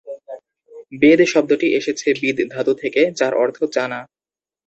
বেদ শব্দটি এসেছে বিদ ধাতু থেকে, যার অর্থ জানা।